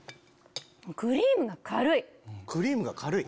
クリームが軽い？